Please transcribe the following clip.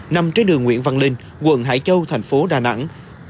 nằm trên đường nguyễn văn linh quận hải châu thành phố đà nẵng